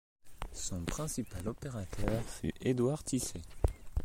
Son principal opérateur fut Édouard Tissé.